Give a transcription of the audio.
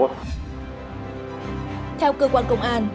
theo cơ quan công an